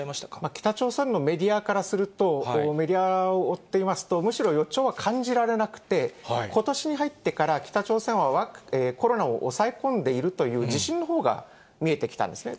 北朝鮮のメディアからすると、メディアを追っていますと、むしろ予兆は感じられなくて、ことしに入ってから北朝鮮はコロナを抑え込んでいるという自信のほうが見えてきたんですね。